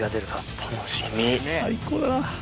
最高だな。